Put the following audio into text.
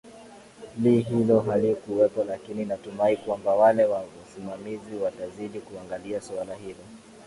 li hilo halikuwepo lakini natumai kwamba wale wa wasimamizi watazidi kuangalia swala hilo